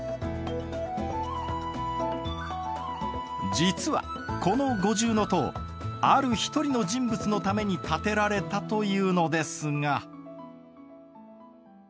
実はこの五重塔ある一人の人物のために建てられたというのですが。